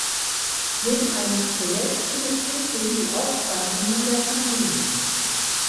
Neben einem Skelett findet Tekin die Aufzeichnungen der Familie.